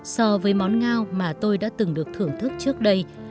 so với món ngao mà tôi đã từng được thưởng thức trước đây